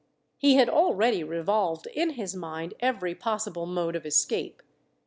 He had already revolved in his mind every possible mode of escape.